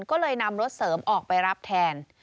ก็เลยนำรถเสริมออกไปรับแทน